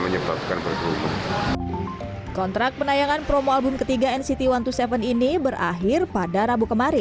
menyebabkan pertumbuhan kontrak penayangan promo album ketiga nct satu ratus dua puluh tujuh ini berakhir pada rabu kemarin